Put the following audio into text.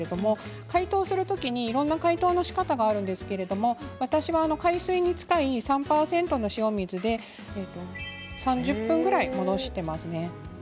解凍する時にいろんなしかたがありますけれど私は海水に近い３％の塩水で３０分ぐらい戻しています。